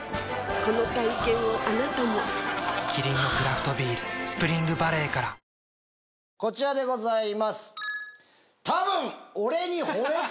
この体験をあなたもキリンのクラフトビール「スプリングバレー」からこちらでございます。